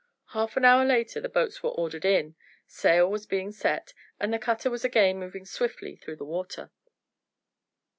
Half an hour later the boats were ordered in, sail was being set, and the cutter was again moving swiftly through the water.